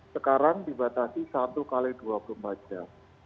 sekarang dibatasi satu x dua puluh empat jam